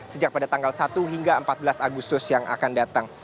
sejak pada tanggal satu hingga empat belas agustus yang akan datang